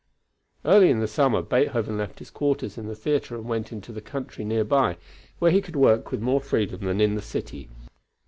Early in the summer, Beethoven left his quarters in the theatre and went into the country nearby, where he could work with more freedom than in the city.